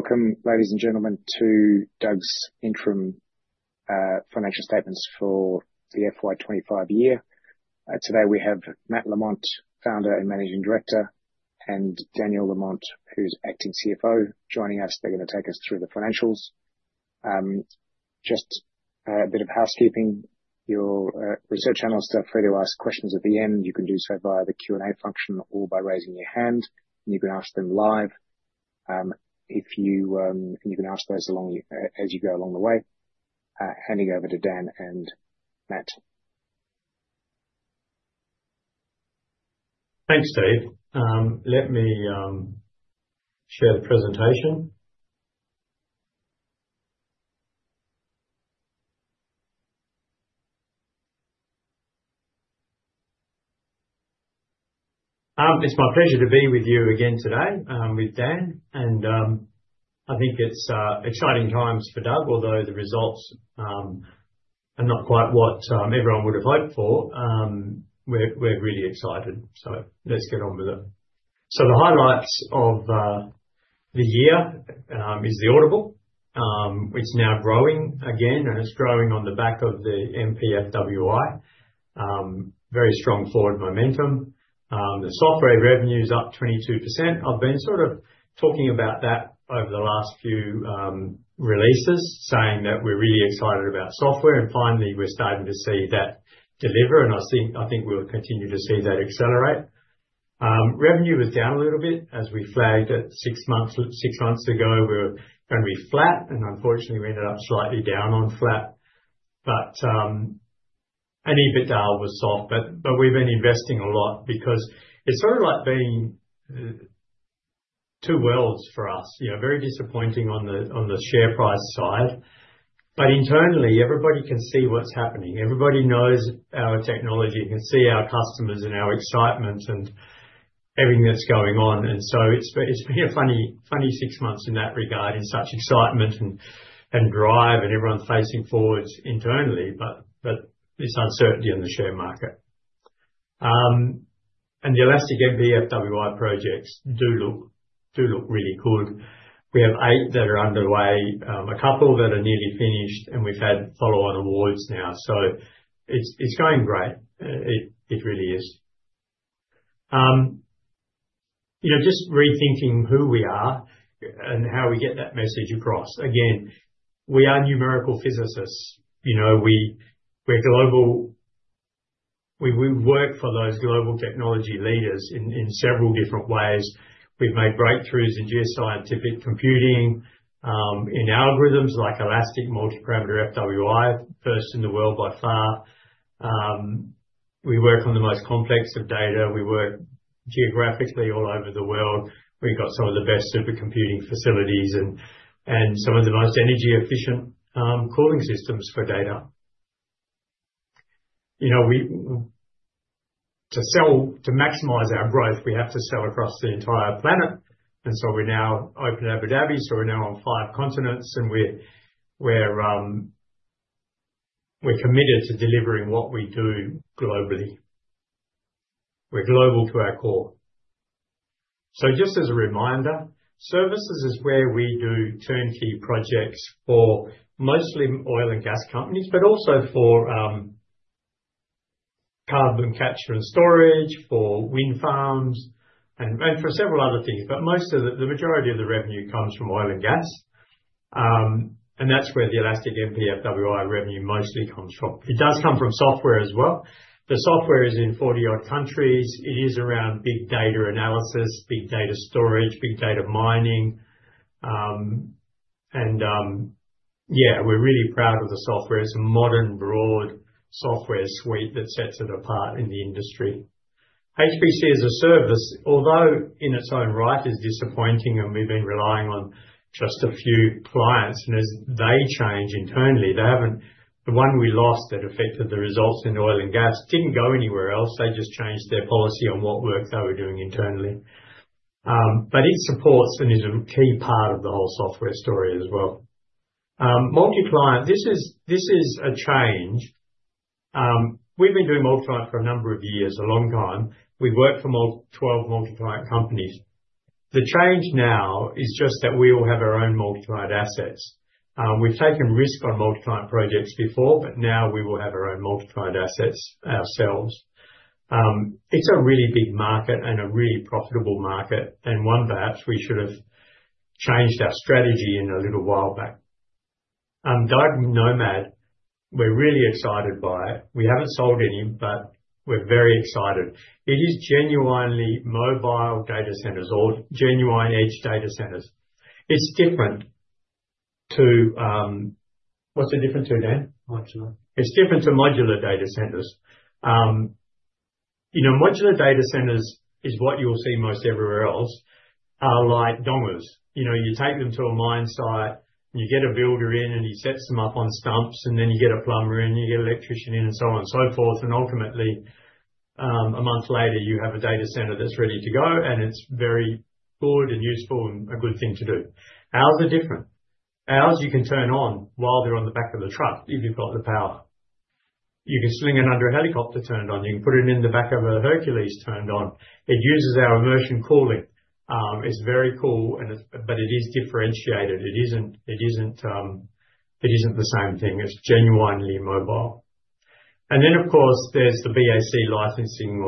Welcome, ladies and gentlemen, to DUG's interim financial statements for the FY 2025 year. Today we have Matthew Lamont, Founder and Managing Director, and Daniel Lamont, who's Acting CFO, joining us. They're going to take us through the financials. Just a bit of housekeeping: your research analysts are free to ask questions at the end. You can do so via the Q&A function or by raising your hand, and you can ask them live. You can ask those as you go along the way. Handing over to Dan and Matt. Thanks, Steve. Let me share the presentation. It's my pleasure to be with you again today with Dan, and I think it's exciting times for DUG, although the results are not quite what everyone would have hoped for. We're really excited, so let's get on with it. The highlights of the year is the order book. It's now growing again, and it's growing on the back of the MPFWI. Very strong forward momentum. The software revenue is up 22%. I've been sort of talking about that over the last few releases, saying that we're really excited about software, and finally we're starting to see that deliver, and I think we'll continue to see that accelerate. Revenue was down a little bit as we flagged it six months ago. We were going to be flat, and unfortunately we ended up slightly down on flat, but EBITDA was soft. We have been investing a lot because it's sort of like being two worlds for us, very disappointing on the share price side. Internally, everybody can see what's happening. Everybody knows our technology and can see our customers and our excitement and everything that's going on. It has been a funny six months in that regard, in such excitement and drive, and everyone's facing forwards internally, but there's uncertainty in the share market. The elastic MPFWI projects do look really good. We have eight that are underway, a couple that are nearly finished, and we've had follow-on awards now. It's going great. It really is. Just rethinking who we are and how we get that message across. Again, we are numerical physicists. We work for those global technology leaders in several different ways. We've made breakthroughs in geoscientific computing, in algorithms like elastic multiparameter FWI, first in the world by far. We work on the most complex of data. We work geographically all over the world. We've got some of the best supercomputing facilities and some of the most energy-efficient cooling systems for data. To maximize our growth, we have to sell across the entire planet. We are now open in Abu Dhabi, so we are now on five continents, and we are committed to delivering what we do globally. We are global to our core. Just as a reminder, services is where we do turnkey projects for mostly oil and gas companies, but also for carbon capture and storage, for wind farms, and for several other things. The majority of the revenue comes from oil and gas, and that's where the elastic MPFWI revenue mostly comes from. It does come from software as well. The software is in 40-odd countries. It is around big data analysis, big data storage, big data mining. Yeah, we're really proud of the software. It's a modern, broad software suite that sets it apart in the industry. HPC as a service, although in its own right is disappointing, and we've been relying on just a few clients, and as they change internally, the one we lost that affected the results in oil and gas didn't go anywhere else. They just changed their policy on what work they were doing internally. It supports and is a key part of the whole software story as well. Multi-client, this is a change. We've been doing multi-client for a number of years, a long time. We've worked for 12 multi-client companies. The change now is just that we all have our own multi-client assets. We've taken risk on multi-client projects before, but now we will have our own multi-client assets ourselves. It's a really big market and a really profitable market, and one perhaps we should have changed our strategy in a little while back. DUG Nomad, we're really excited by it. We haven't sold any, but we're very excited. It is genuinely mobile data centers or genuine edge data centers. It's different to what's it different to, Dan? Modular. It's different to modular data centers. Modular data centers is what you'll see most everywhere else, are like dongers. You take them to a mine site, and you get a builder in, and he sets them up on stumps, and then you get a plumber in, and you get an electrician in, and so on and so forth. Ultimately, a month later, you have a data center that's ready to go, and it's very good and useful and a good thing to do. Ours are different. Ours you can turn on while they're on the back of the truck if you've got the power. You can sling it under a helicopter turned on. You can put it in the back of a Hercules turned on. It uses our immersion cooling. It's very cool, but it is differentiated. It isn't the same thing. It's genuinely mobile. Of course, there's the BAC licensing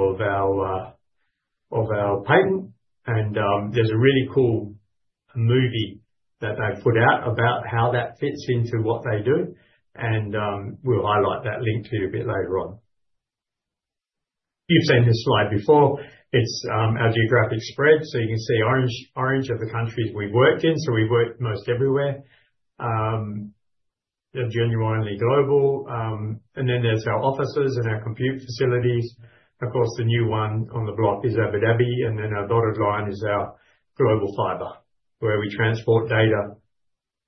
of our patent, and there's a really cool movie that they've put out about how that fits into what they do. We'll highlight that link to you a bit later on. You've seen this slide before. It's our geographic spread. You can see orange are the countries we've worked in. We've worked most everywhere. They're genuinely global. Then there's our offices and our compute facilities. The new one on the block is Abu Dhabi, and our dotted line is our global fiber, where we transport data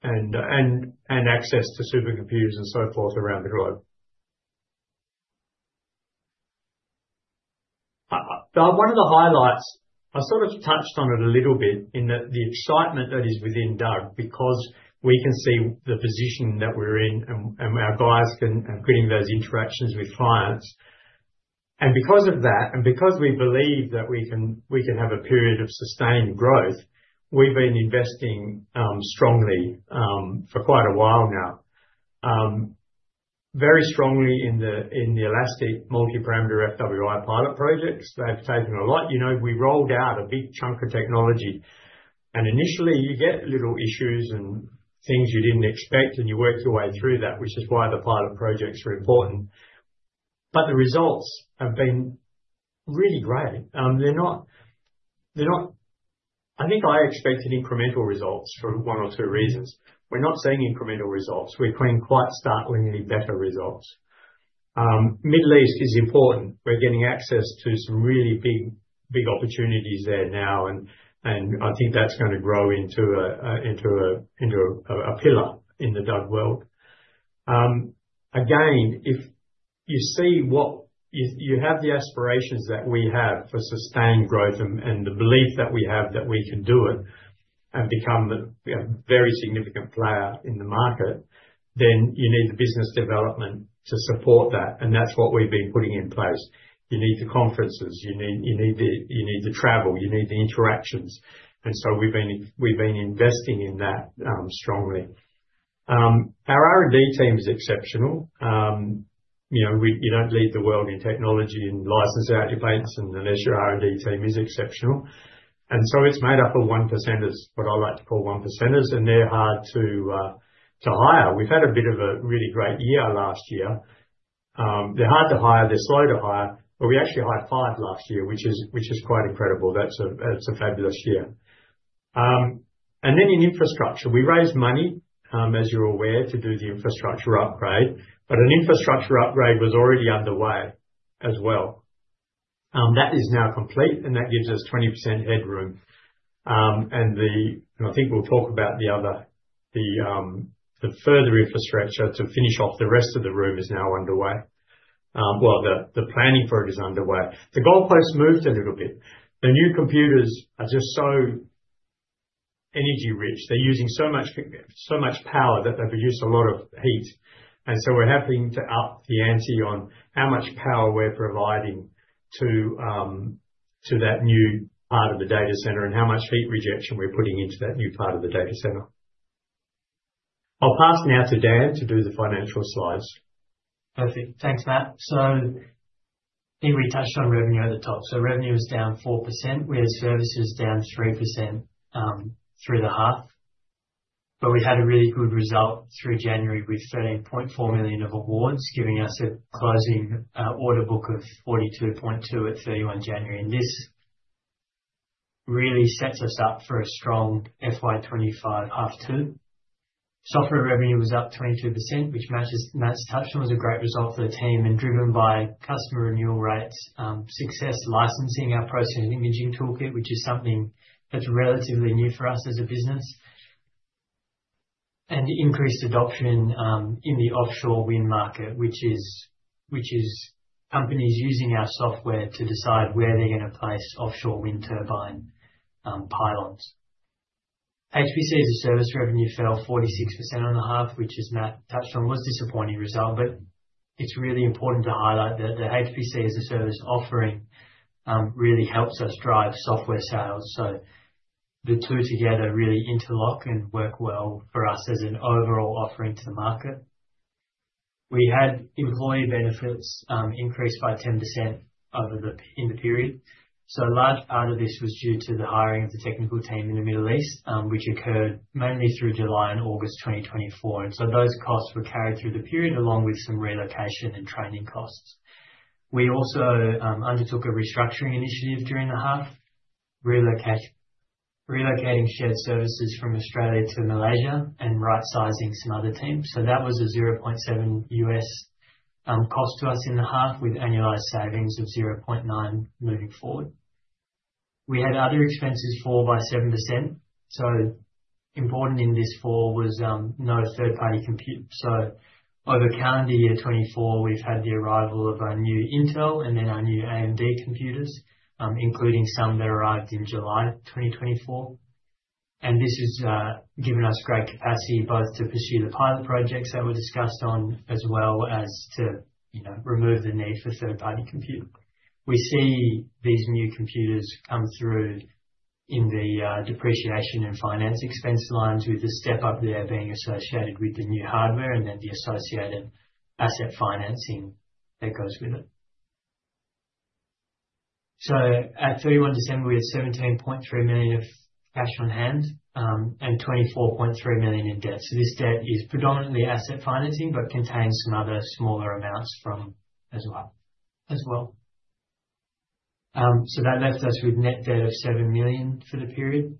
and access to supercomputers and so forth around the globe. One of the highlights, I sort of touched on it a little bit, is the excitement that is within DUG, because we can see the position that we're in, and our guys are getting those interactions with clients. Because of that, and because we believe that we can have a period of sustained growth, we've been investing strongly for quite a while now. Very strongly in the elastic multiparameter FWI pilot projects. They've taken a lot. We rolled out a big chunk of technology. Initially, you get little issues and things you didn't expect, and you work your way through that, which is why the pilot projects are important. The results have been really great. I think I expected incremental results for one or two reasons. We're not seeing incremental results. We're seeing quite startlingly better results. Middle East is important. We're getting access to some really big opportunities there now, and I think that's going to grow into a pillar in the DUG world. Again, if you see what you have the aspirations that we have for sustained growth and the belief that we have that we can do it and become a very significant player in the market, you need the business development to support that, and that's what we've been putting in place. You need the conferences. You need the travel. You need the interactions. We've been investing in that strongly. Our R&D team is exceptional. You don't lead the world in technology and license out your patents unless your R&D team is exceptional. It's made up of one percenters, what I like to call one percenters, and they're hard to hire. We've had a bit of a really great year last year. They're hard to hire. They're slow to hire, but we actually hired five last year, which is quite incredible. That's a fabulous year. In infrastructure, we raised money, as you're aware, to do the infrastructure upgrade, but an infrastructure upgrade was already underway as well. That is now complete, and that gives us 20% headroom. I think we'll talk about the further infrastructure to finish off the rest of the room is now underway. The planning for it is underway. The goalpost moved a little bit. The new computers are just so energy-rich. They're using so much power that they produce a lot of heat. We are having to up the ante on how much power we're providing to that new part of the data center and how much heat rejection we're putting into that new part of the data center. I'll pass now to Dan to do the financial slides. Perfect. Thanks, Matt. I think we touched on revenue at the top. Revenue is down 4%. We had services down 3% through the half. We had a really good result through January with 13.4 million of awards, giving us a closing order book of 42.2 million at 31st January. This really sets us up for a strong FY 2025 half-two. Software revenue was up 22%, which Matt's touched on was a great result for the team and driven by customer renewal rates, success licensing our processing imaging toolkit, which is something that's relatively new for us as a business, and increased adoption in the offshore wind market, which is companies using our software to decide where they're going to place offshore wind turbine pylons. HPC as a service revenue fell 46% on the half, which, as Matt touched on, was a disappointing result, but it's really important to highlight that the HPC as a service offering really helps us drive software sales. The two together really interlock and work well for us as an overall offering to the market. We had employee benefits increase by 10% in the period. A large part of this was due to the hiring of the technical team in the Middle East, which occurred mainly through July and August 2024. Those costs were carried through the period along with some relocation and training costs. We also undertook a restructuring initiative during the half, relocating shared services from Australia to Malaysia and right-sizing some other teams. That was a $0.7 million cost to us in the half with annualized savings of $0.9 million moving forward. We had other expenses fall by 7%. Important in this fall was no third-party compute. Over calendar year 2024, we've had the arrival of our new Intel and then our new AMD computers, including some that arrived in July 2024. This has given us great capacity both to pursue the pilot projects that were discussed on as well as to remove the need for third-party compute. We see these new computers come through in the depreciation and finance expense lines, with the step up there being associated with the new hardware and the associated asset financing that goes with it. At 31 December, we had 17.3 million of cash on hand and 24.3 million in debt. This debt is predominantly asset financing but contains some other smaller amounts as well. That left us with net debt of 7 million for the period.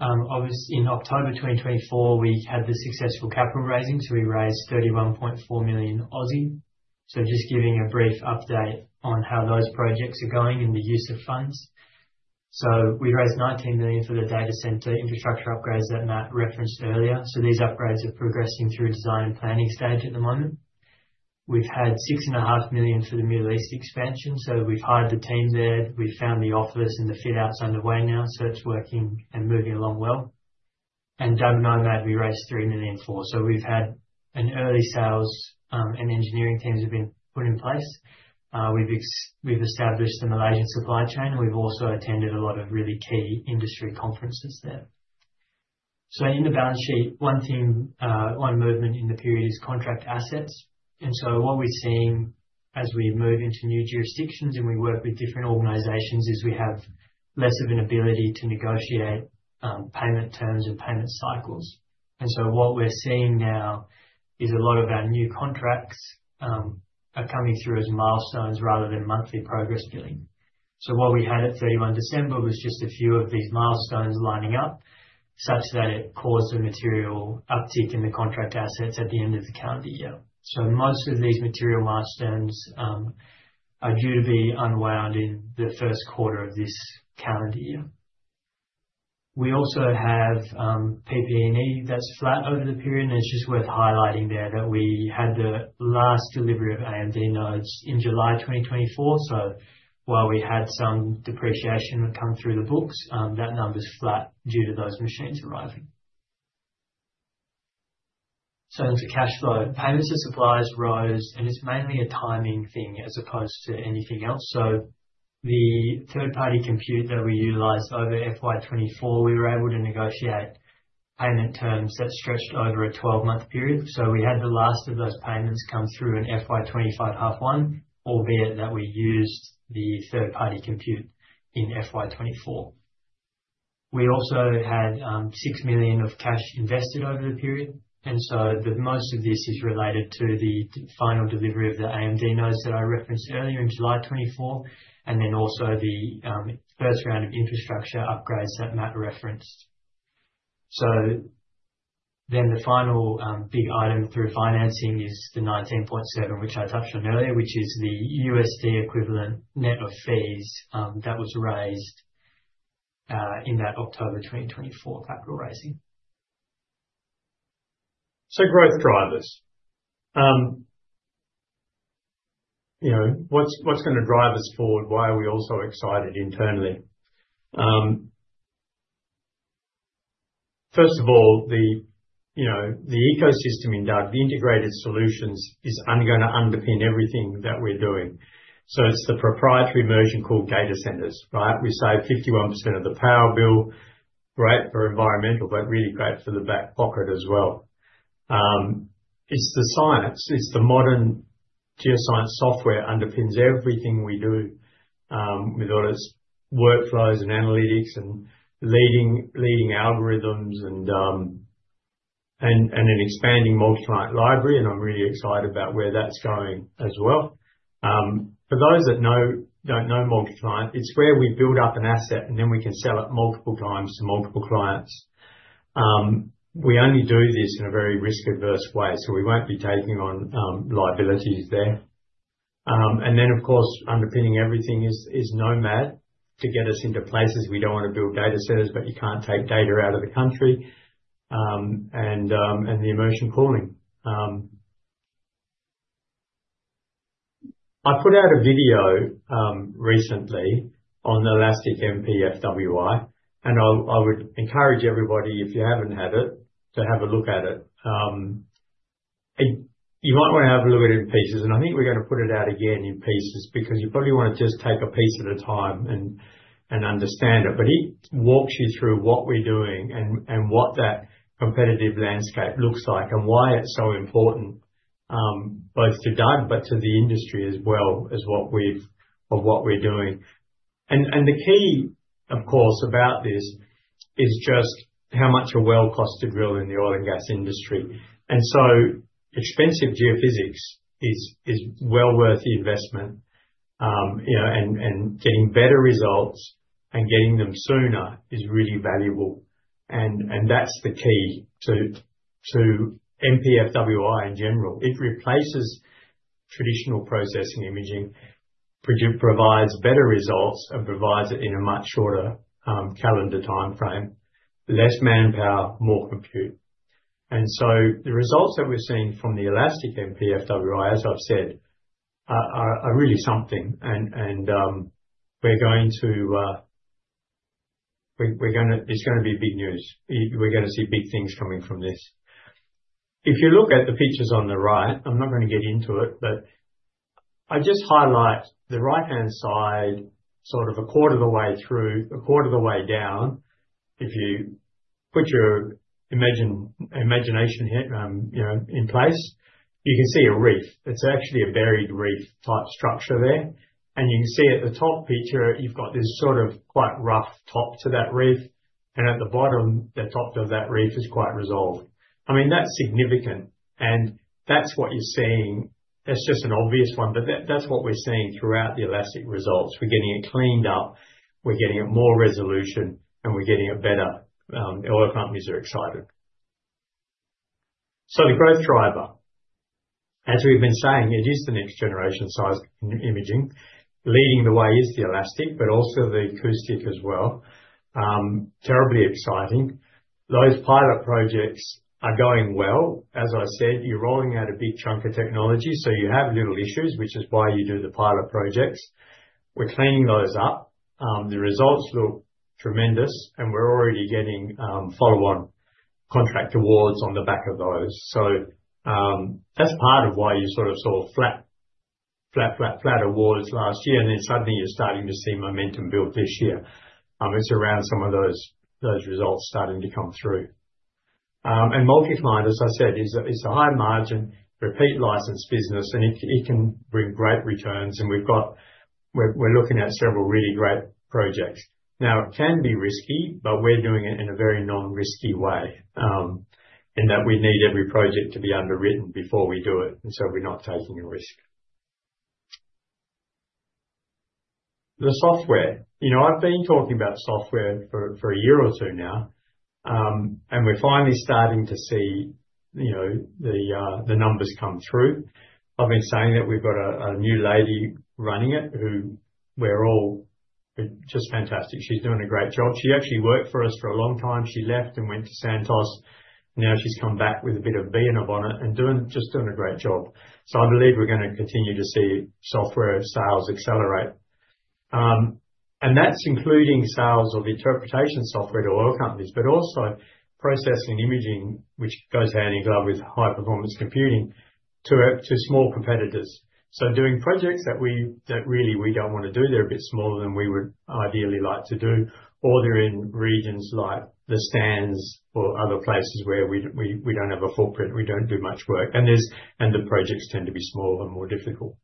In October 2024, we had the successful capital raising, so we raised 31.4 million Aussie. Just giving a brief update on how those projects are going and the use of funds. We raised 19 million for the data center infrastructure upgrades that Matt referenced earlier. These upgrades are progressing through design and planning stage at the moment. We've had 6.5 million for the Middle East expansion. We've hired the team there. We've found the offices and the fit-out is underway now, so it's working and moving along well. DUG Nomad, we raised 3 million for. We've had an early sales and engineering teams have been put in place. We've established the Malaysian supply chain, and we've also attended a lot of really key industry conferences there. In the balance sheet, one movement in the period is contract assets. What we are seeing as we move into new jurisdictions and we work with different organizations is we have less of an ability to negotiate payment terms and payment cycles. What we are seeing now is a lot of our new contracts are coming through as milestones rather than monthly progress billing. What we had at 31 December was just a few of these milestones lining up such that it caused a material uptick in the contract assets at the end of the calendar year. Most of these material milestones are due to be unwound in the first quarter of this calendar year. We also have PP&E that is flat over the period, and it is just worth highlighting there that we had the last delivery of AMD nodes in July 2024. While we had some depreciation come through the books, that number's flat due to those machines arriving. Into cash flow, payments for supplies rose, and it's mainly a timing thing as opposed to anything else. The third-party compute that we utilised over FY 2024, we were able to negotiate payment terms that stretched over a 12-month period. We had the last of those payments come through in FY 2025 half-one, albeit that we used the third-party compute in FY 2024. We also had 6 million of cash invested over the period. Most of this is related to the final delivery of the AMD nodes that I referenced earlier in July 2024, and then also the first round of infrastructure upgrades that Matt referenced. Then the final big item through financing is the 19.7, which I touched on earlier, which is the $19.7 million equivalent net of fees that was raised in that October 2024 capital raising. Growth drivers. What's going to drive us forward? Why are we all so excited internally? First of all, the ecosystem in DUG, the integrated solutions, is going to underpin everything that we're doing. It's the proprietary immersion-cooled data centers, right? We save 51% of the power bill. Great for environmental, but really great for the back pocket as well. It's the science. It's the modern geoscience software that underpins everything we do with all its workflows and analytics and leading algorithms and an expanding multi-client library. I'm really excited about where that's going as well. For those that don't know multi-client, it's where we build up an asset, and then we can sell it multiple times to multiple clients. We only do this in a very risk-adverse way, so we won't be taking on liabilities there. Of course, underpinning everything is Nomad to get us into places we do not want to build data centers, but you cannot take data out of the country, and the immersion cooling. I put out a video recently on the Elastic MPFWI, and I would encourage everybody, if you have not had it, to have a look at it. You might want to have a look at it in pieces, and I think we are going to put it out again in pieces because you probably want to just take a piece at a time and understand it. It walks you through what we are doing and what that competitive landscape looks like and why it is so important both to DUG but to the industry as well as what we are doing. The key, of course, about this is just how much a well costs to drill in the oil and gas industry. Expensive geophysics is well worth the investment, and getting better results and getting them sooner is really valuable. That is the key to MPFWI in general. It replaces traditional processing imaging, provides better results, and provides it in a much shorter calendar timeframe, less manpower, more compute. The results that we've seen from the Elastic MPFWI, as I've said, are really something. We're going to see big news. We're going to see big things coming from this. If you look at the pictures on the right, I'm not going to get into it, but I just highlight the right-hand side sort of a quarter of the way through, a quarter of the way down. If you put your imagination in place, you can see a reef. It's actually a buried reef-type structure there. You can see at the top picture, you've got this sort of quite rough top to that reef. At the bottom, the top of that reef is quite resolved. I mean, that's significant. That's what you're seeing. That's just an obvious one, but that's what we're seeing throughout the Elastic results. We're getting it cleaned up. We're getting it more resolution, and we're getting it better. Oil companies are excited. The growth driver, as we've been saying, it is the next generation size imaging. Leading the way is the Elastic, but also the Acoustic as well. Terribly exciting. Those pilot projects are going well. As I said, you're rolling out a big chunk of technology, so you have little issues, which is why you do the pilot projects. We're cleaning those up. The results look tremendous, and we're already getting follow-on contract awards on the back of those. That is part of why you sort of saw flat, flat, flat, flat awards last year, and then suddenly you're starting to see momentum build this year. It's around some of those results starting to come through. And multi-client, as I said, is a high-margin, repeat license business, and it can bring great returns. We're looking at several really great projects. Now, it can be risky, but we're doing it in a very non-risky way in that we need every project to be underwritten before we do it. We're not taking a risk. The software. I've been talking about software for a year or two now, and we're finally starting to see the numbers come through. I've been saying that we've got a new lady running it who we're all just fantastic. She's doing a great job. She actually worked for us for a long time. She left and went to Santos. Now she's come back with a bit of being up on it and just doing a great job. I believe we're going to continue to see software sales accelerate. That's including sales of interpretation software to oil companies, but also processing imaging, which goes hand in glove with high-performance computing to small competitors. Doing projects that really we don't want to do. They're a bit smaller than we would ideally like to do, or they're in regions like the Sands or other places where we don't have a footprint. We don't do much work. The projects tend to be smaller and more difficult.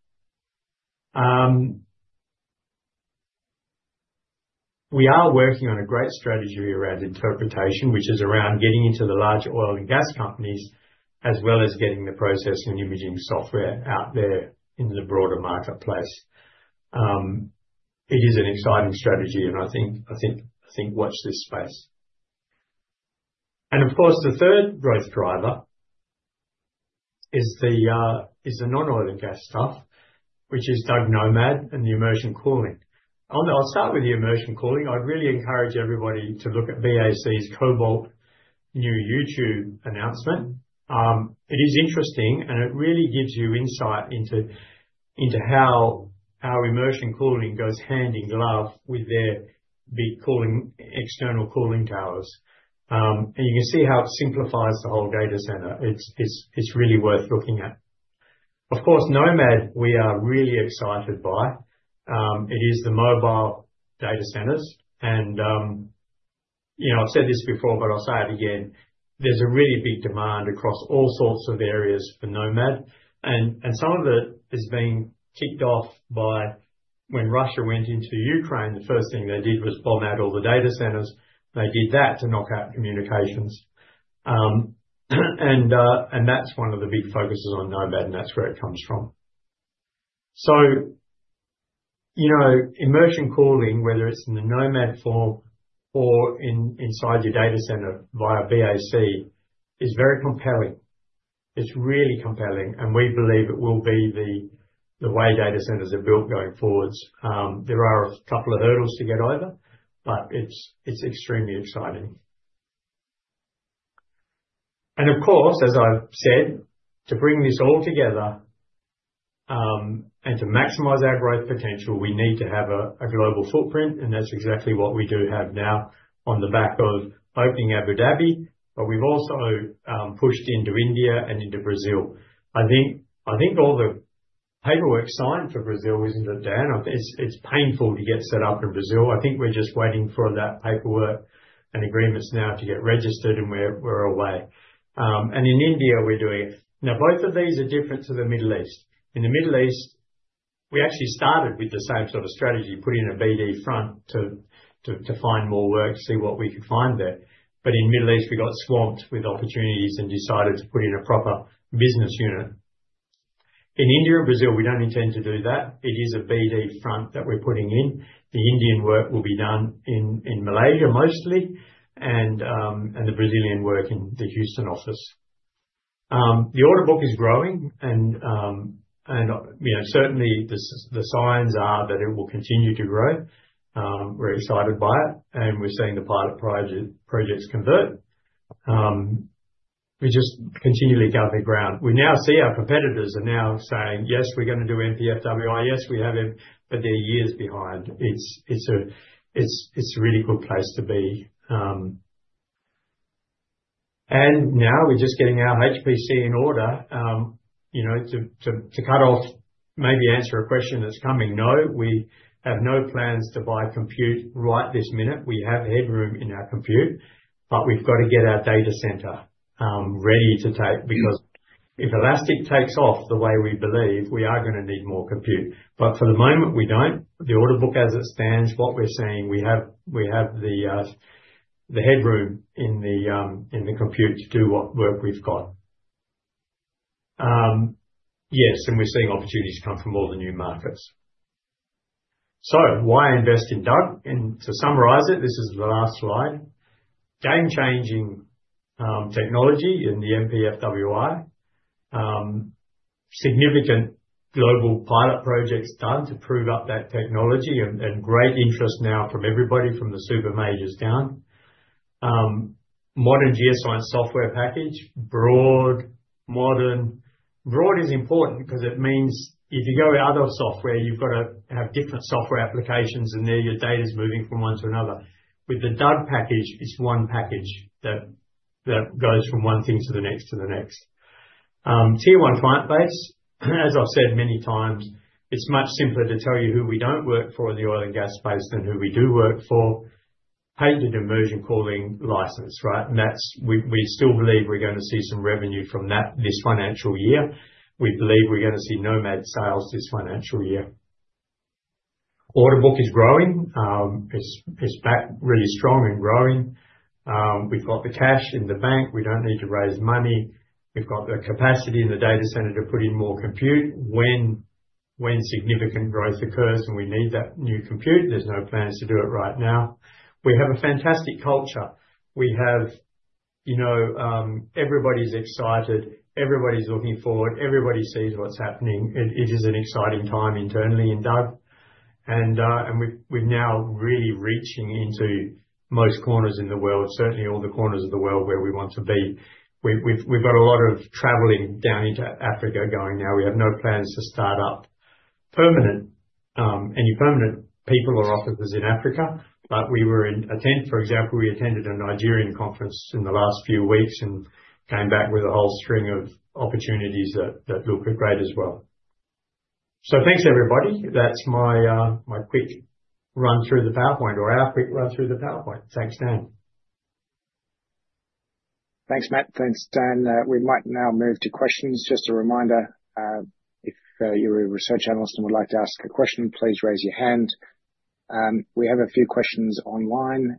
We are working on a great strategy around interpretation, which is around getting into the larger oil and gas companies as well as getting the processing imaging software out there in the broader marketplace. It is an exciting strategy, and I think watch this space. Of course, the third growth driver is the non-oil and gas stuff, which is DUG Nomad and the immersion cooling. I'll start with the immersion cooling. I'd really encourage everybody to look at BAC's global new YouTube announcement. It is interesting, and it really gives you insight into how immersion cooling goes hand in glove with their big external cooling towers. You can see how it simplifies the whole data center. It's really worth looking at. Of course, Nomad, we are really excited by. It is the mobile data centers. I've said this before, but I'll say it again. is a really big demand across all sorts of areas for Nomad. Some of it has been ticked off by when Russia went into Ukraine, the first thing they did was bomb out all the data centers. They did that to knock out communications. That is one of the big focuses on Nomad, and that is where it comes from. Immersion cooling, whether it is in the Nomad form or inside your data center via BAC, is very compelling. It is really compelling, and we believe it will be the way data centers are built going forwards. There are a couple of hurdles to get over, but it is extremely exciting. Of course, as I've said, to bring this all together and to maximise our growth potential, we need to have a global footprint, and that's exactly what we do have now on the back of opening Abu Dhabi. We've also pushed into India and into Brazil. I think all the paperwork signed for Brazil, isn't it, Dan? It's painful to get set up in Brazil. I think we're just waiting for that paperwork and agreements now to get registered, and we're away. In India, we're doing it. Now, both of these are different to the Middle East. In the Middle East, we actually started with the same sort of strategy, putting a BD front to find more work, see what we could find there. In the Middle East, we got swamped with opportunities and decided to put in a proper business unit. In India and Brazil, we don't intend to do that. It is a BD front that we're putting in. The Indian work will be done in Malaysia mostly, and the Brazilian work in the Houston office. The order book is growing, and certainly the signs are that it will continue to grow. We're excited by it, and we're seeing the pilot projects convert. We're just continually gathering ground. We now see our competitors are now saying, "Yes, we're going to do MPFWI. Yes, we have him," but they're years behind. It's a really good place to be. Now we're just getting our HPC in order to cut off, maybe answer a question that's coming. No, we have no plans to buy compute right this minute. We have headroom in our compute, but we've got to get our data center ready to take because if Elastic takes off the way we believe, we are going to need more compute. For the moment, we don't. The order book as it stands, what we're seeing, we have the headroom in the compute to do what work we've got. Yes, we're seeing opportunities come from all the new markets. Why invest in DUG? To summarize it, this is the last slide. Game-changing technology in the MPFWI. Significant global pilot projects done to prove up that technology and great interest now from everybody from the super majors down. Modern geoscience software package, broad, modern. Broad is important because it means if you go with other software, you've got to have different software applications, and then your data is moving from one to another. With the DUG package, it's one package that goes from one thing to the next to the next. Tier 1 client base. As I've said many times, it's much simpler to tell you who we don't work for in the oil and gas space than who we do work for. Patented immersion cooling license, right? And we still believe we're going to see some revenue from this financial year. We believe we're going to see Nomad sales this financial year. Order book is growing. It's back really strong and growing. We've got the cash in the bank. We don't need to raise money. We've got the capacity in the data center to put in more compute when significant growth occurs and we need that new compute. There's no plans to do it right now. We have a fantastic culture. Everybody's excited. Everybody's looking forward. Everybody sees what's happening. It is an exciting time internally in DUG. We are now really reaching into most corners in the world, certainly all the corners of the world where we want to be. We have a lot of travelling down into Africa going now. We have no plans to start up any permanent people or offices in Africa, but we were in a tent, for example. We attended a Nigerian conference in the last few weeks and came back with a whole string of opportunities that look great as well. Thanks, everybody. That is my quick run through the PowerPoint or our quick run through the PowerPoint. Thanks, Dan. Thanks, Matt. Thanks, Dan. We might now move to questions. Just a reminder, if you are a research analyst and would like to ask a question, please raise your hand. We have a few questions online.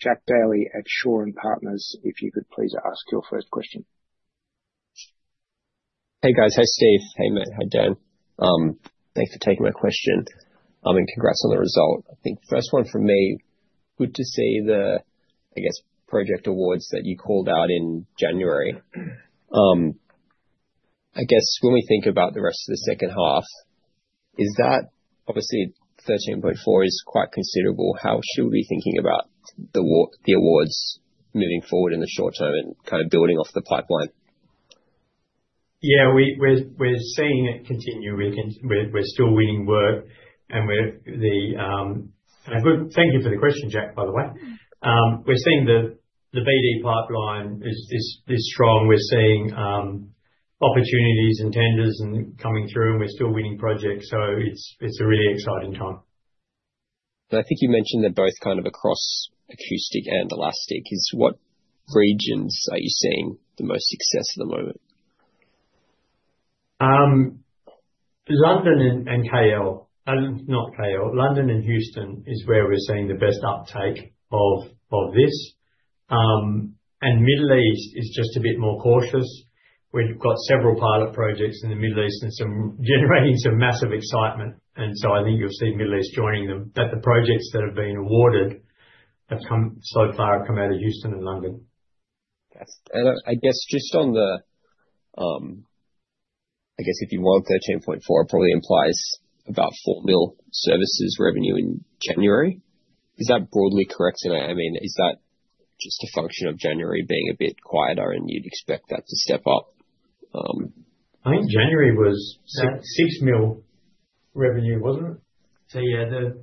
Jack Daley at Shaw and Partners, if you could please ask your first question. Hey, guys. Hi, Steve. Hey, Matt. Hi, Dan. Thanks for taking my question. Congrats on the result. I think first one for me, good to see the, I guess, project awards that you called out in January. I guess when we think about the rest of the second half, is that obviously 13.4 million is quite considerable. How should we be thinking about the awards moving forward in the short term and kind of building off the pipeline? Yeah, we're seeing it continue. We're still winning work. Thank you for the question, Jack, by the way. We're seeing the BD pipeline is strong. We're seeing opportunities and tenders coming through, and we're still winning projects. It is a really exciting time. I think you mentioned they're both kind of across Acoustic and Elastic. What regions are you seeing the most success at the moment? London and KL. Not KL. London and Houston is where we're seeing the best uptake of this. Middle East is just a bit more cautious. We've got several pilot projects in the Middle East and generating some massive excitement. I think you'll see Middle East joining them. The projects that have been awarded so far have come out of Houston and London. I guess just on the, I guess if you want 13.4, it probably implies about $4 million services revenue in January. Is that broadly correct? I mean, is that just a function of January being a bit quieter and you'd expect that to step up? I think January was $6 million revenue, wasn't it?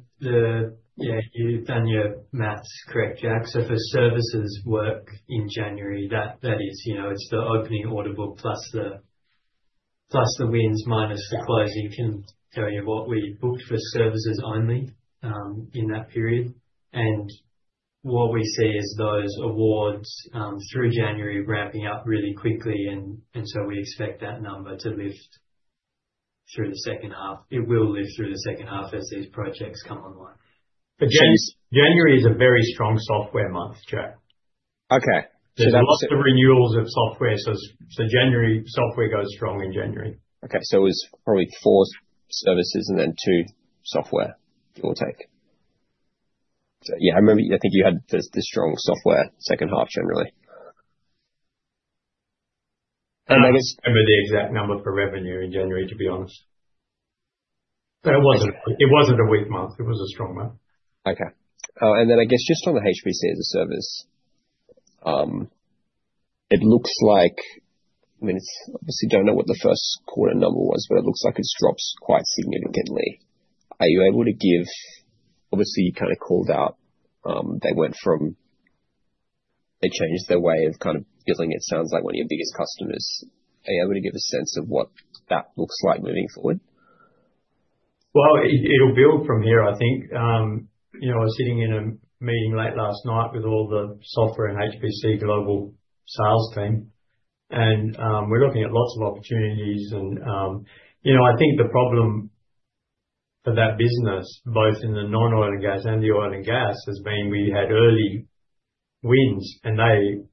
Yeah, you've done your maths correct, Jack. For services work in January, that is the opening order book plus the wins minus the closing can tell you what we booked for services only in that period. What we see is those awards through January ramping up really quickly. We expect that number to lift through the second half. It will lift through the second half as these projects come online. January is a very strong software month, Jack. Okay. That is lots of renewals of software. January software goes strong in January. Okay. It was probably four services and then two software, it will take. I remember I think you had the strong software second half generally. I guess I remember the exact number for revenue in January, to be honest. It was not a weak month. It was a strong month. Okay. I guess just on the HPC as a service, it looks like I mean, I obviously do not know what the first quarter number was, but it looks like it has dropped quite significantly. Are you able to give, obviously, you kind of called out they went from, they changed their way of kind of billing, it sounds like, one of your biggest customers. Are you able to give a sense of what that looks like moving forward? It will build from here, I think. I was sitting in a meeting late last night with all the software and HPC global sales team. We are looking at lots of opportunities. I think the problem for that business, both in the non-oil and gas and the oil and gas, has been we had early wins, and they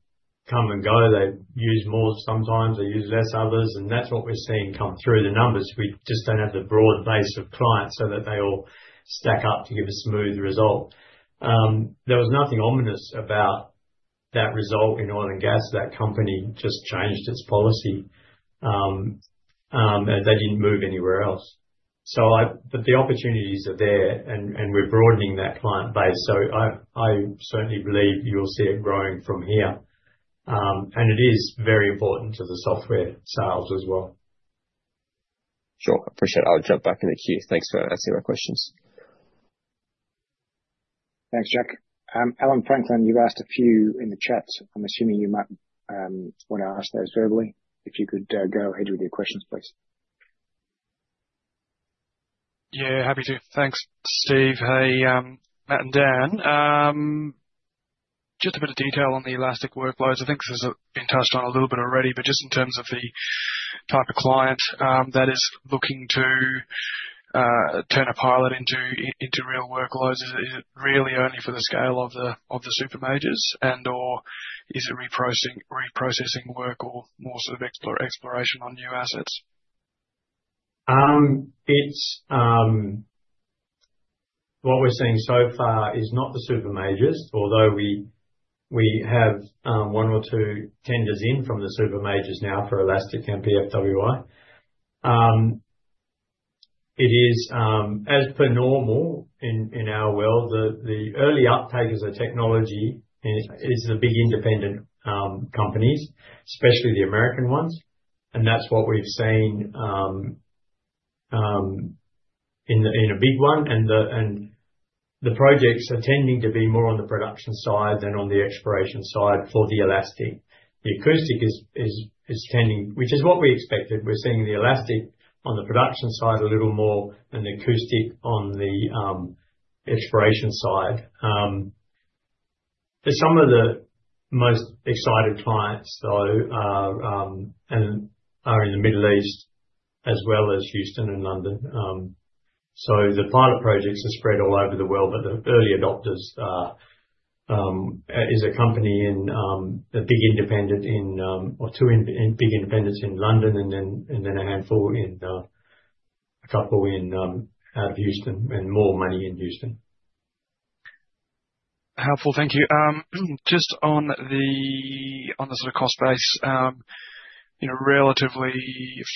come and go. They use more sometimes. They use less others. That's what we're seeing come through the numbers. We just don't have the broad base of clients so that they all stack up to give a smooth result. There was nothing ominous about that result in oil and gas. That company just changed its policy. They didn't move anywhere else. The opportunities are there, and we're broadening that client base. I certainly believe you'll see it growing from here. It is very important to the software sales as well. Sure. Appreciate it. I'll jump back in the queue. Thanks for answering my questions. Thanks, Jack. Alan Franklin, you've asked a few in the chat. I'm assuming you might want to ask those verbally. If you could go ahead with your questions, please. Yeah, happy to. Thanks, Steve. Hey, Matt and Dan. Just a bit of detail on the Elastic workloads. I think this has been touched on a little bit already, but just in terms of the type of client that is looking to turn a pilot into real workloads, is it really only for the scale of the super majors? And/or is it reprocessing work or more sort of exploration on new assets? What we're seeing so far is not the super majors, although we have one or two tenders in from the super majors now for Elastic and MPFWI. As per normal in our world, the early uptakers of technology is the big independent companies, especially the American ones. And that's what we've seen in a big one. The projects are tending to be more on the production side than on the exploration side for the Elastic. The Acoustic is tending, which is what we expected. We're seeing the Elastic on the production side a little more and the Acoustic on the exploration side. Some of the most excited clients, though, are in the Middle East as well as Houston and London. The pilot projects are spread all over the world, but the early adopters is a company in a big independent in or two big independents in London and then a handful in a couple out of Houston and more money in Houston. Helpful. Thank you. Just on the sort of cost base, relatively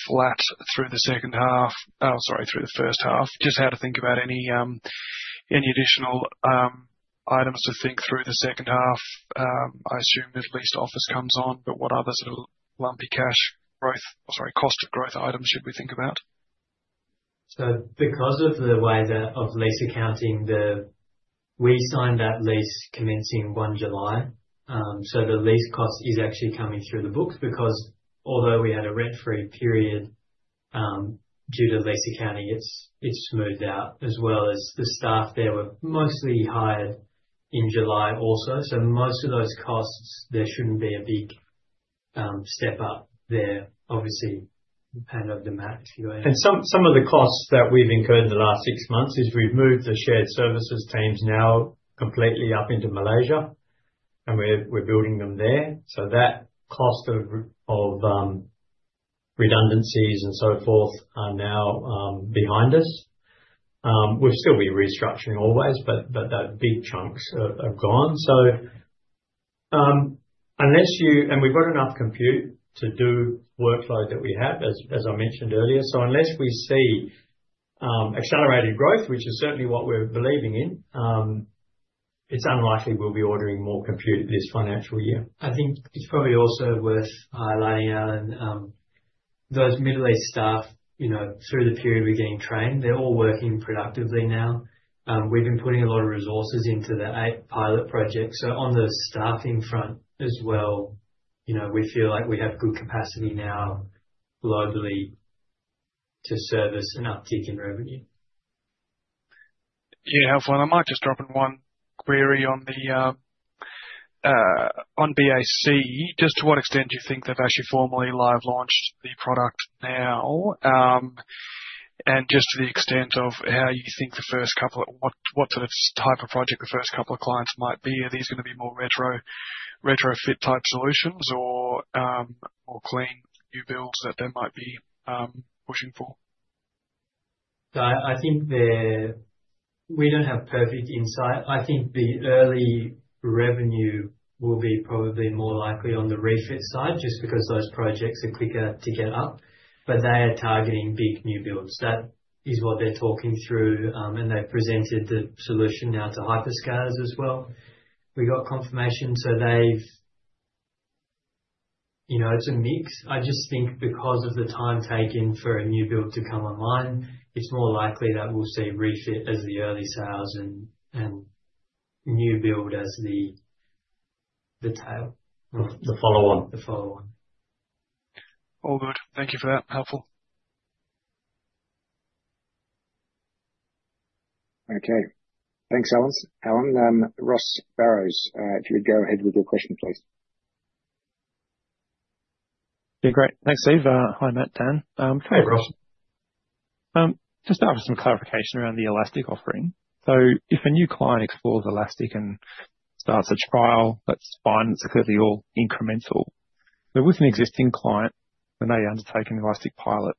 flat through the second half, oh, sorry, through the first half. Just how to think about any additional items to think through the second half. I assume Middle East office comes on, but what other sort of lumpy cash growth or, sorry, cost growth items should we think about? Because of the way of lease accounting, we signed that lease commencing 1 July. The lease cost is actually coming through the books because although we had a rent-free period due to lease accounting, it is smoothed out as well as the staff there were mostly hired in July also. Most of those costs, there should not be a big step up there, obviously, hand over to Matt if you go ahead. Some of the costs that we have incurred in the last six months is we have moved the shared services teams now completely up into Malaysia, and we are building them there. That cost of redundancies and so forth are now behind us. We will still be restructuring always, but that big chunks have gone. Unless you and we have got enough compute to do workload that we have, as I mentioned earlier. Unless we see accelerated growth, which is certainly what we're believing in, it's unlikely we'll be ordering more compute this financial year. I think it's probably also worth highlighting, Alan, those Middle East staff through the period were getting trained, they're all working productively now. We've been putting a lot of resources into the eight pilot projects. On the staffing front as well, we feel like we have good capacity now globally to service and uptake in revenue. Yeah, helpful. I might just drop in one query on BAC. To what extent do you think they've actually formally live-launched the product now? To the extent of how you think the first couple of what sort of type of project the first couple of clients might be? Are these going to be more retro-fit type solutions or more clean new builds that they might be pushing for? I think we do not have perfect insight. I think the early revenue will be probably more likely on the refit side just because those projects are quicker to get up. They are targeting big new builds. That is what they are talking through. They have presented the solution now to hyperscalers as well. We got confirmation. It is a mix. I just think because of the time taken for a new build to come online, it is more likely that we will see refit as the early sales and new build as the tail. The follow-on. The follow-on. All good. Thank you for that. Helpful. Okay. Thanks, Alan. Ross Barrows, if you would go ahead with your question, please. Yeah, great. Thanks, Steve. Hi, Matt, Dan. Hey, Ross. Just start with some clarification around the Elastic offering. If a new client explores Elastic and starts a trial, that's fine. That's clearly all incremental. With an existing client, when they undertake an Elastic pilot,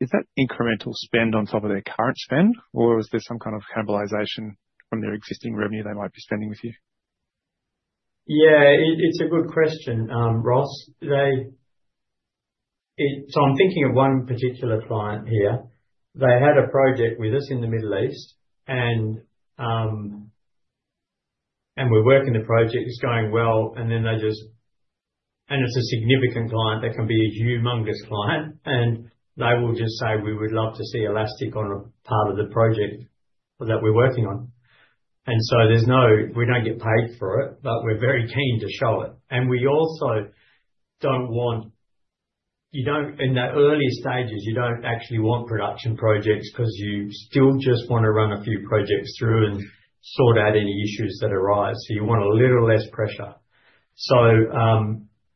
is that incremental spend on top of their current spend, or is there some kind of cannibalization from their existing revenue they might be spending with you? Yeah, it's a good question, Ross. I'm thinking of one particular client here. They had a project with us in the Middle East, and we're working the project. It's going well. They just, and it's a significant client, they can be a humongous client, and they will just say, "We would love to see Elastic on a part of the project that we're working on." We don't get paid for it, but we're very keen to show it. We also do not want in the early stages, you do not actually want production projects because you still just want to run a few projects through and sort out any issues that arise. You want a little less pressure.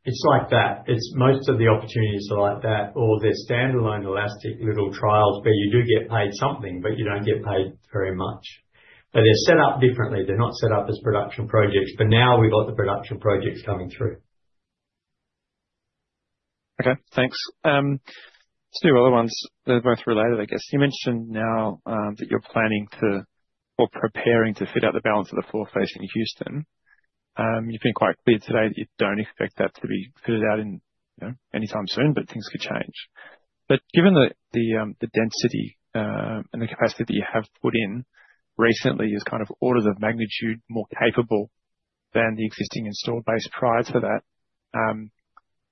It is like that. Most of the opportunities are like that, or they are standalone Elastic little trials where you do get paid something, but you do not get paid very much. They are set up differently. They are not set up as production projects. Now we have got the production projects coming through. Okay. Thanks. Just two other ones. They are both related, I guess. You mentioned now that you are planning to or preparing to fit out the balance of the foreface in Houston. You have been quite clear today that you do not expect that to be fitted out anytime soon, but things could change. Given the density and the capacity that you have put in recently is kind of orders of magnitude more capable than the existing installed base prior to that,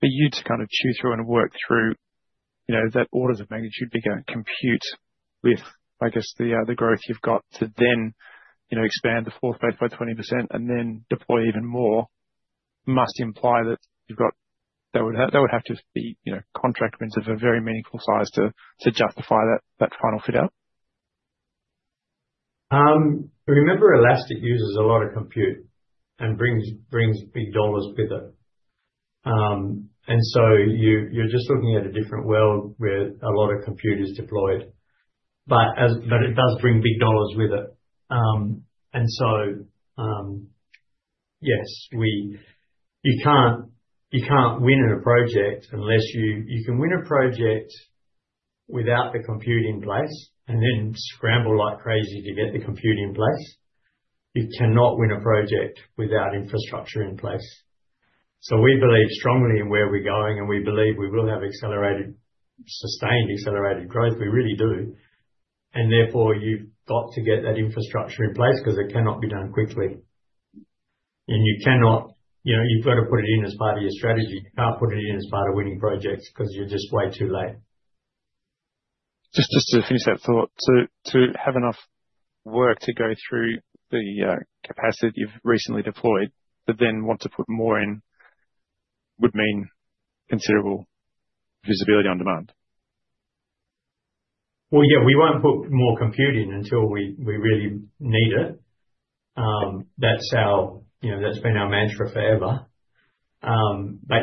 for you to kind of chew through and work through that orders of magnitude bigger compute with, I guess, the growth you've got to then expand the foreface by 20% and then deploy even more must imply that you've got that would have to be contract wins of a very meaningful size to justify that final fit out. Remember, Elastic uses a lot of compute and brings big dollars with it. You are just looking at a different world where a lot of compute is deployed. It does bring big dollars with it. Yes, you can't win a project unless you can win a project without the compute in place and then scramble like crazy to get the compute in place. You cannot win a project without infrastructure in place. We believe strongly in where we're going, and we believe we will have sustained accelerated growth. We really do. Therefore, you've got to get that infrastructure in place because it cannot be done quickly. You've got to put it in as part of your strategy. You can't put it in as part of winning projects because you're just way too late. Just to finish that thought, to have enough work to go through the capacity you've recently deployed, but then want to put more in would mean considerable visibility on demand. Yeah, we won't put more compute in until we really need it. That's been our mantra forever.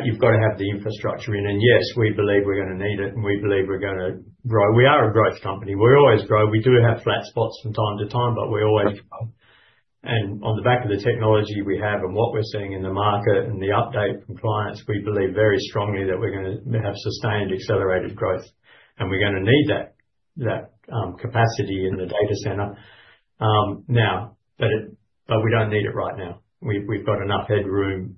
You've got to have the infrastructure in. Yes, we believe we're going to need it, and we believe we're going to grow. We are a growth company. We always grow. We do have flat spots from time to time, but we always grow. On the back of the technology we have and what we're seeing in the market and the update from clients, we believe very strongly that we're going to have sustained accelerated growth, and we're going to need that capacity in the data center now. We don't need it right now. We've got enough headroom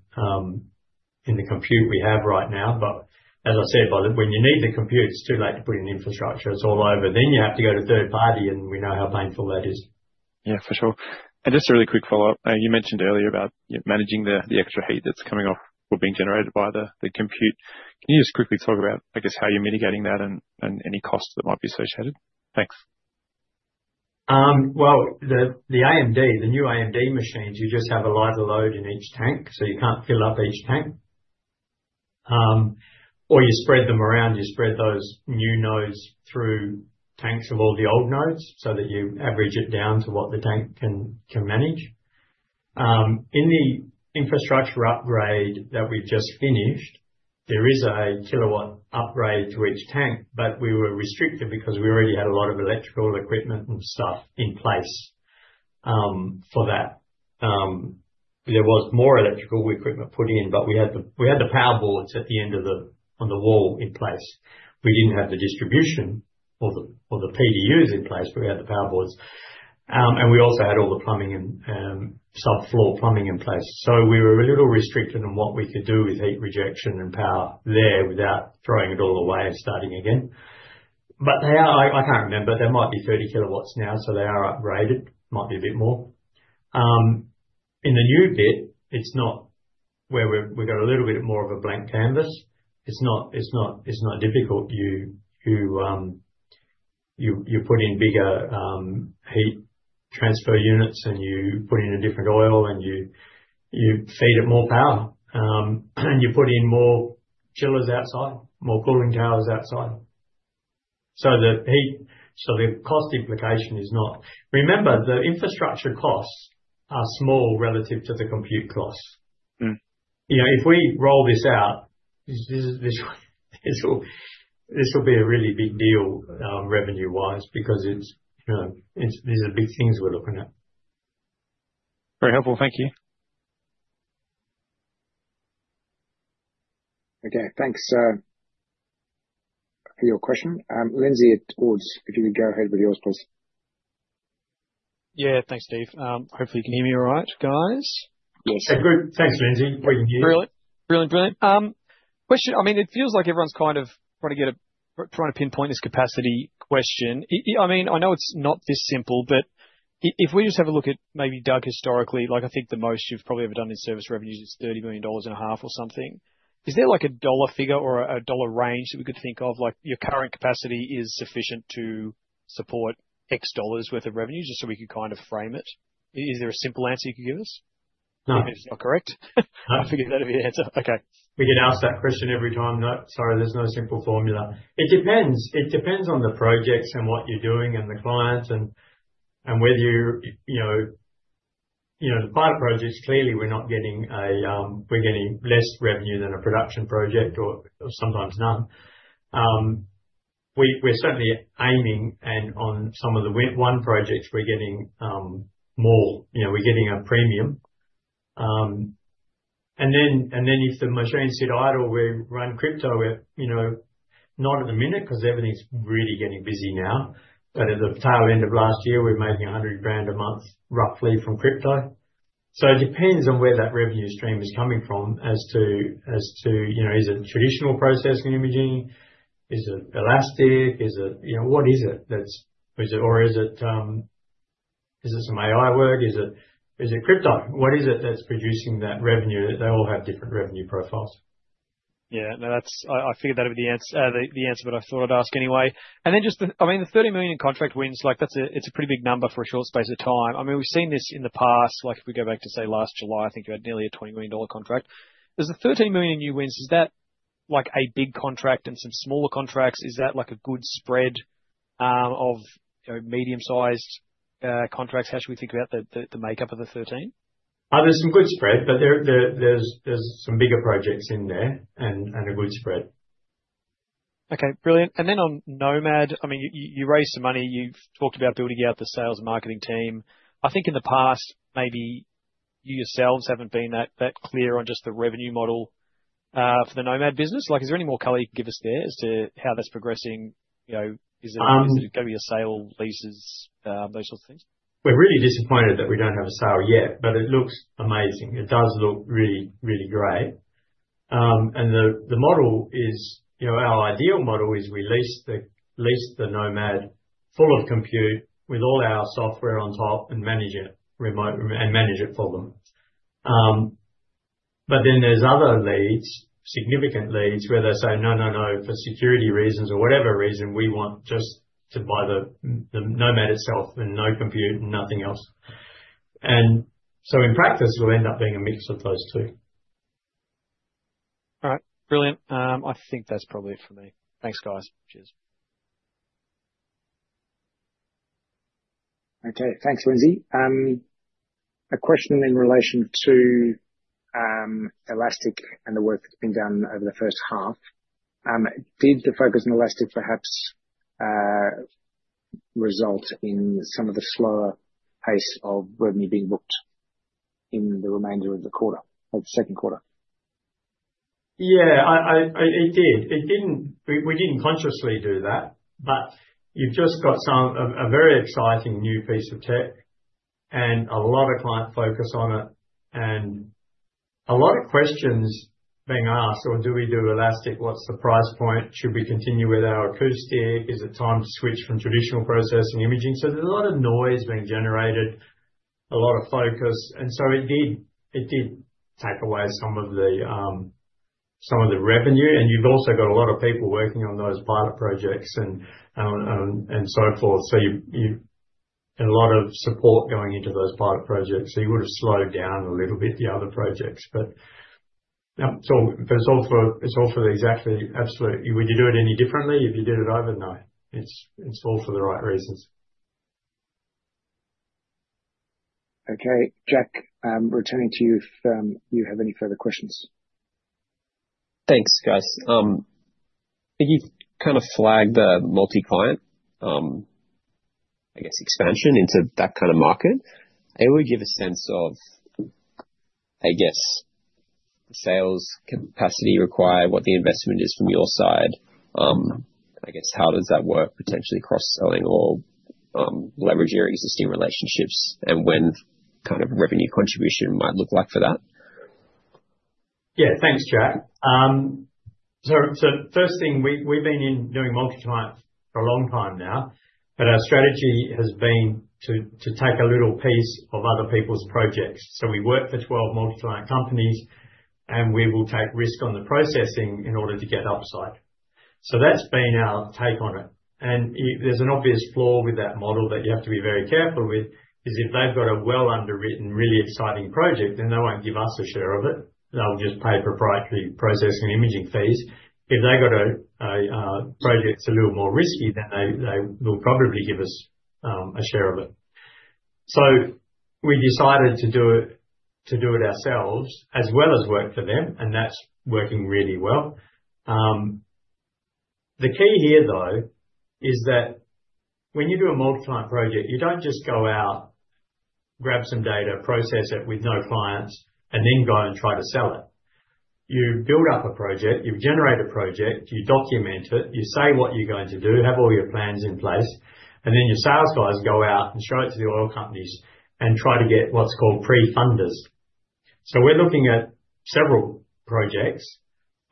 in the compute we have right now. As I said, when you need the compute, it's too late to put it in infrastructure. It's all over. You have to go to third party, and we know how painful that is. Yeah, for sure. Just a really quick follow-up. You mentioned earlier about managing the extra heat that's coming off or being generated by the compute. Can you just quickly talk about, I guess, how you're mitigating that and any costs that might be associated? Thanks. The new AMD machines, you just have a lighter load in each tank, so you can't fill up each tank. Or you spread them around. You spread those new nodes through tanks of all the old nodes so that you average it down to what the tank can manage. In the infrastructure upgrade that we've just finished, there is a kilowatt upgrade to each tank, but we were restricted because we already had a lot of electrical equipment and stuff in place for that. There was more electrical equipment put in, but we had the power boards at the end of the on the wall in place. We did not have the distribution or the PDUs in place, but we had the power boards. We also had all the plumbing and subfloor plumbing in place. We were a little restricted in what we could do with heat rejection and power there without throwing it all away and starting again. I cannot remember. There might be 30 kW now, so they are upgraded. It might be a bit more. In the new bit, it is not where we have got a little bit more of a blank canvas. It is not difficult. You put in bigger heat transfer units, you put in a different oil, you feed it more power. You put in more chillers outside, more cooling towers outside. The cost implication is not, remember, the infrastructure costs are small relative to the compute costs. If we roll this out, this will be a really big deal revenue-wise because these are big things we're looking at. Very helpful. Thank you. Okay. Thanks for your question. Lindsay at Ords, could you go ahead with yours, please? Yeah. Thanks, Steve. Hopefully, you can hear me all right, guys. Yes. Good. Thanks, Lindsay. We can hear you. Brilliant. Brilliant. Brilliant. I mean, it feels like everyone's kind of trying to pinpoint this capacity question. I mean, I know it's not this simple, but if we just have a look at maybe DUG historically, I think the most you've probably ever done in service revenues is $30.5 million or something. Is there a dollar figure or a dollar range that we could think of? Your current capacity is sufficient to support X dollars' worth of revenue, just so we could kind of frame it. Is there a simple answer you could give us? No. If it's not correct, I figured that'd be the answer. Okay. We can ask that question every time. Sorry, there's no simple formula. It depends. It depends on the projects and what you're doing and the clients and whether you the pilot projects, clearly, we're not getting a we're getting less revenue than a production project or sometimes none. We're certainly aiming, and on some of the one projects, we're getting more. We're getting a premium. If the machine's hit idle, we run crypto. We're not at the minute because everything's really getting busy now. At the tail end of last year, we're making $100,000 a month, roughly, from crypto. It depends on where that revenue stream is coming from as to is it traditional processing imaging? Is it Elastic? What is it that's or is it some AI work? Is it crypto? What is it that's producing that revenue? They all have different revenue profiles. Yeah. I figured that'd be the answer, but I thought I'd ask anyway. I mean, the $30 million contract wins, it's a pretty big number for a short space of time. I mean, we've seen this in the past. If we go back to, say, last July, I think you had nearly a $20 million contract. There's a $13 million in new wins. Is that a big contract and some smaller contracts? Is that a good spread of medium-sized contracts? How should we think about the makeup of the $13 million? There's some good spread, but there's some bigger projects in there and a good spread. Okay. Brilliant. I mean, you raised some money. You've talked about building out the sales and marketing team. I think in the past, maybe you yourselves haven't been that clear on just the revenue model for the Nomad business. Is there any more color you can give us there as to how that's progressing? Is it going to be a sale, leases, those sorts of things? We're really disappointed that we don't have a sale yet, but it looks amazing. It does look really, really great. The model is our ideal model is we lease the Nomad full of compute with all our software on top and manage it and manage it for them. But then there's other leads, significant leads, where they say, "No, no, no, for security reasons or whatever reason, we want just to buy the Nomad itself and no compute and nothing else." In practice, it'll end up being a mix of those two. All right. Brilliant. I think that's probably it for me. Thanks, guys. Cheers. Okay. Thanks, Lindsay. A question in relation to Elastic and the work that's been done over the first half. Did the focus on Elastic perhaps result in some of the slower pace of revenue being booked in the remainder of the second quarter? Yeah, it did. We didn't consciously do that, but you've just got a very exciting new piece of tech and a lot of client focus on it and a lot of questions being asked, "Do we do Elastic? What's the price point? Should we continue with our acoustic? Is it time to switch from traditional processing imaging? There is a lot of noise being generated, a lot of focus. It did take away some of the revenue. You have a lot of people working on those pilot projects and so forth. A lot of support is going into those pilot projects. You would have slowed down a little bit the other projects. It is all for the exactly absolute. Would you do it any differently if you did it over? No. It is all for the right reasons. Okay. Jack, returning to you if you have any further questions. Thanks, guys. If you kind of flag the multi-client, I guess, expansion into that kind of market, it would give a sense of, I guess, the sales capacity required, what the investment is from your side. I guess, how does that work potentially cross-selling or leverage your existing relationships and when kind of revenue contribution might look like for that? Yeah. Thanks, Jack. So first thing, we've been doing multi-client for a long time now, but our strategy has been to take a little piece of other people's projects. We work for 12 multi-client companies, and we will take risk on the processing in order to get upside. That's been our take on it. There's an obvious flaw with that model that you have to be very careful with is if they've got a well-underwritten, really exciting project, they won't give us a share of it. They'll just pay proprietary processing imaging fees. If they've got a project that's a little more risky, they will probably give us a share of it. We decided to do it ourselves as well as work for them, and that's working really well. The key here, though, is that when you do a multi-client project, you don't just go out, grab some data, process it with no clients, and then go and try to sell it. You build up a project. You generate a project. You document it. You say what you're going to do, have all your plans in place, and then your sales guys go out and show it to the oil companies and try to get what's called pre-funders. We are looking at several projects.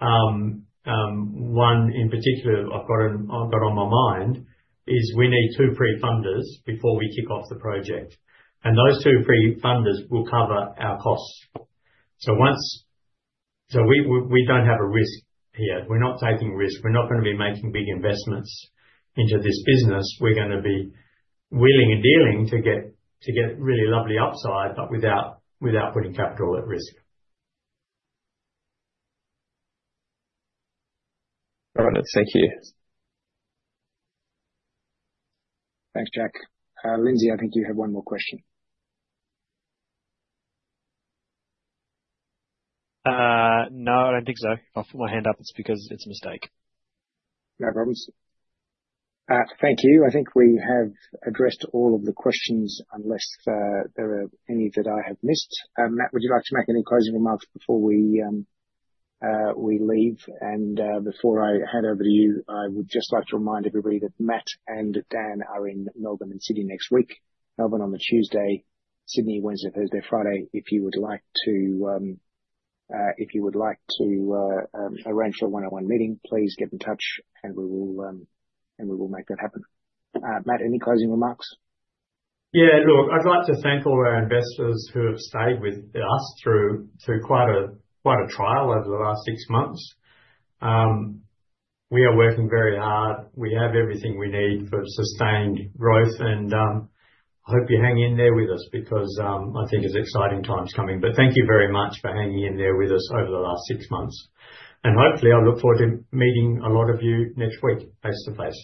One in particular I've got on my mind is we need two pre-funders before we kick off the project. Those two pre-funders will cover our costs. We don't have a risk here. We're not taking risk. We're not going to be making big investments into this business. We're going to be wheeling and dealing to get really lovely upside, but without putting capital at risk. All right. Thank you. Thanks, Jack. Lindsay, I think you have one more question. No, I don't think so. I'll put my hand up. It's because it's a mistake. No problems. Thank you. I think we have addressed all of the questions unless there are any that I have missed. Matt, would you like to make any closing remarks before we leave? Before I hand over to you, I would just like to remind everybody that Matt and Dan are in Melbourne and Sydney next week. Melbourne on the Tuesday, Sydney Wednesday, Thursday, Friday. If you would like to arrange for a one-on-one meeting, please get in touch, and we will make that happen. Yeah. Look, I'd like to thank all our investors who have stayed with us through quite a trial over the last six months. We are working very hard. We have everything we need for sustained growth. I hope you hang in there with us because I think it's exciting times coming. Thank you very much for hanging in there with us over the last six months. Hopefully, I look forward to meeting a lot of you next week face-to-face.